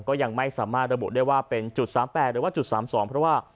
ก็ยังไม่สามารถระบุได้ว่าเป็นจุด๓๘หรือว่าจุด๓๒เพราะว่า